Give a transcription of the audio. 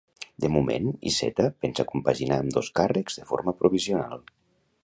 De moment, Iceta pensa compaginar ambdós càrrecs de forma provisional.